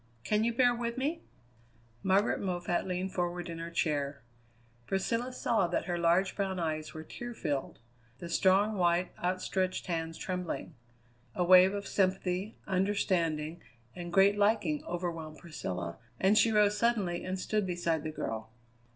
Can you bear with me?" Margaret Moffatt leaned forward in her chair. Priscilla saw that her large brown eyes were tear filled; the strong, white, outstretched hands trembling. A wave of sympathy, understanding, and great liking overwhelmed Priscilla, and she rose suddenly and stood beside the girl.